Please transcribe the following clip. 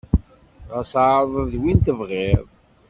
Ɣas ɛreḍ-d win tebɣiḍ.